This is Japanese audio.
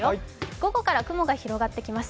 午後からは雲が広がってきます。